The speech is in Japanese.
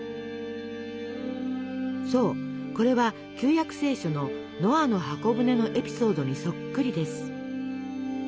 そうこれは旧約聖書の「ノアの方舟」のエピソードにそっくりです。